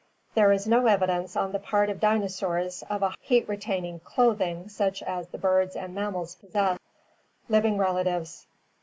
There is no evidence on the part of dinosaurs of a heat retaining "clothing" such as the birds and mammals possess. Living Relatives.